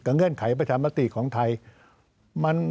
เงื่อนไขประชามติของไทย